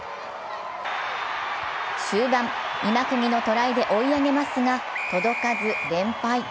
終盤、今釘のトライで追い上げますが届かず、連敗。